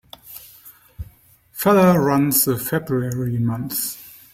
Feller runs the February months.